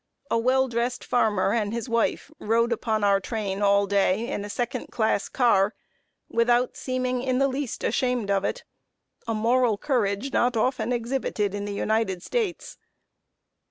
A well dressed farmer and his wife rode upon our train all day in a second class car, without seeming in the least ashamed of it a moral courage not often exhibited in the United States.